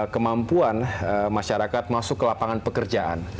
kemampuan masyarakat masuk ke lapangan pekerjaan